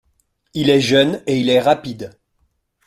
Il est jeune et il est rapide.